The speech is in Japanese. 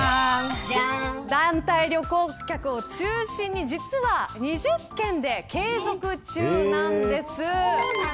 団体旅行客を中心に実は２０県で継続中なんです。